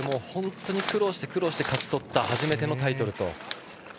本当に苦労して苦労して勝ち取った初めてのタイトルと。